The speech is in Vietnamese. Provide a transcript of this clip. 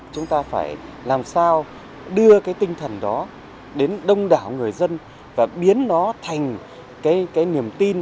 chúng ta phải làm sao đưa cái tinh thần đó đến đông đảo người dân và biến nó thành cái niềm tin